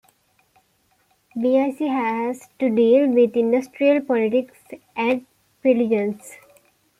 Vic has to deal with industrial politics at Pringle's.